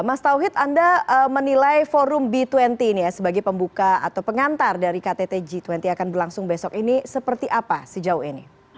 mas tauhid anda menilai forum b dua puluh ini ya sebagai pembuka atau pengantar dari ktt g dua puluh akan berlangsung besok ini seperti apa sejauh ini